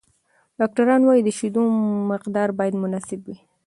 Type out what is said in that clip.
ډاکټران وايي، د شیدو مقدار باید مناسب وي.